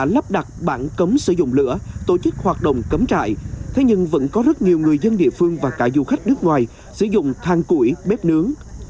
lắp đặt bản cấm sử dụng lửa tổ chức hoạt động cấm trại thế nhưng vẫn có rất nhiều người dân địa phương và cả du khách nước ngoài sử dụng thang củi bếp nướng